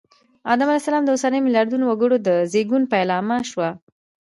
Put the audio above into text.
آدم علیه السلام د اوسنیو ملیاردونو وګړو د زېږون پیلامه شوه